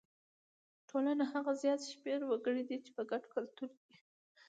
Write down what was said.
ټولنه هغه زیات شمېر وګړي دي چې ګډ کلتور لري.